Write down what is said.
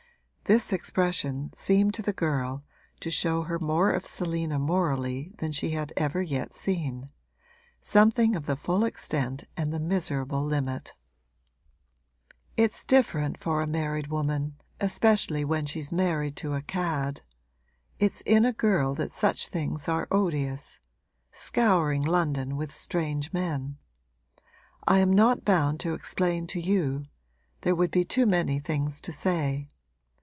This expression seemed to the girl to show her more of Selina morally than she had ever yet seen something of the full extent and the miserable limit. 'It's different for a married woman, especially when she's married to a cad. It's in a girl that such things are odious scouring London with strange men. I am not bound to explain to you there would be too many things to say.